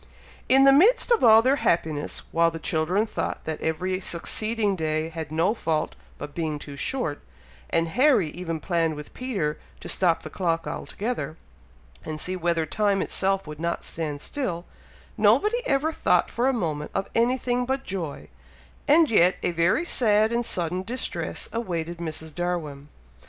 In the midst of all their happiness, while the children thought that every succeeding day had no fault but being too short, and Harry even planned with Peter to stop the clock altogether, and see whether time itself would not stand still, nobody ever thought for a moment of anything but joy; and yet a very sad and sudden distress awaited Mrs. Darwin.